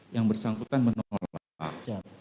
yang bersangkutan menolak